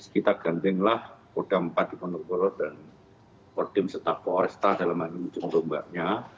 kita gantenglah kodam padiponopolo dan ordem setapu oresta dalam hal ini mencengdombaknya